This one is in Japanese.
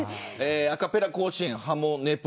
アカペラ甲子園ハモネプ。